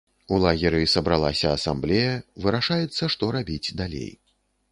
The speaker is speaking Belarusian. У лагеры сабралася асамблея, вырашаецца, што рабіць далей.